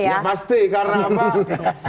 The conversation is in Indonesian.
ya pasti karena apa